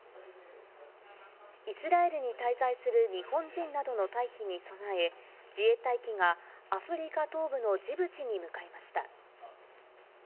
イスラエルに滞在する日本人などの退避に備え、自衛隊機がアフリカ東部のジブチに向かいました。